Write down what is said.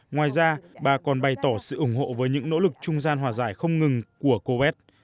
ngoài ra bà còn bày tỏ sự ủng hộ với những nỗ lực trung gian hòa giải không ngừng của coet